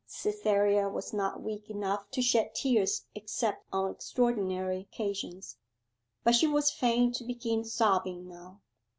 Cytherea was not weak enough to shed tears except on extraordinary occasions, but she was fain to begin sobbing now.